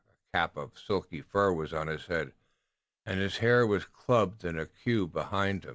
A cap of silky fur was on his head, and his hair was clubbed in a queue behind.